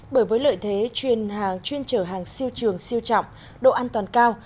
bởi với lợi thế chuyên trở hàng siêu trường siêu trọng độ an toàn cao